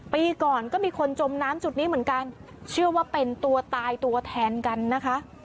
ปีก่อนก็มีคนจมน้ำจุดนี้เหมือนกันเชื่อว่าเป็นตัวตายตัวแทนกันนะคะ